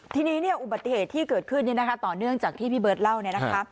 ทีนี้เนี่ยอุบัติเหตุที่เกิดขึ้นต่อเนื่องจากที่พี่เบิร์ตเล่าเนี่ยนะคะ